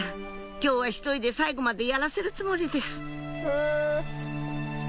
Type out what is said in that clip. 今日は１人で最後までやらせるつもりです